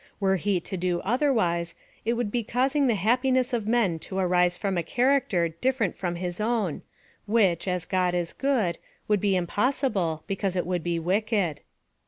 Were he to do otherwise, it would be causing the happiness of men to arise from a character different from his own, which, as God is good, would be impossible, because it would be wicked.